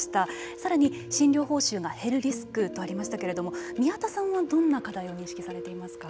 さらに診療報酬が減るリスクとありましたけれども宮田さんはどんな課題を認識されていますか。